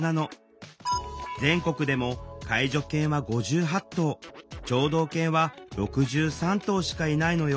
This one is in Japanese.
全国でも介助犬は５８頭聴導犬は６３頭しかいないのよ。